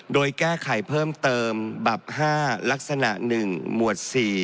โดยแก้ไขเพิ่มเติมบับ๕ลักษณะ๑หมวด๔